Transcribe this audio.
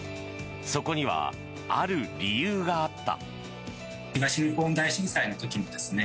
そこには、ある理由があった。